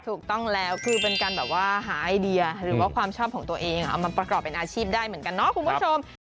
ถูกต้องแล้วคือเป็นการแบบว่าหาไอเดียหรือว่าความชอบของตัวเองเอามาประกอบเป็นอาชีพได้เหมือนกันเนาะคุณผู้ชม